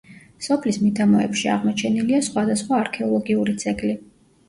სოფლის მიდამოებში აღმოჩენილია სხვადასხვა არქეოლოგიური ძეგლი.